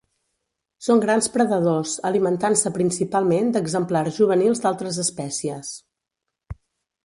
Són grans predadors, alimentant-se principalment d'exemplars juvenils d'altres espècies.